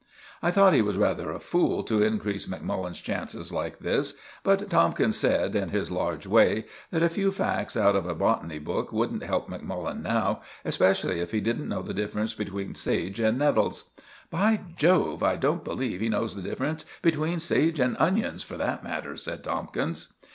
I thought he was rather a fool to increase Macmullen's chances like this; but Tomkins said, in his large way, that a few facts out of a botany book wouldn't help Macmullen now, especially if he didn't know the difference between sage and nettles. "By Jove, I don't believe he knows the difference between sage and onions, for that matter!" said Tomkins.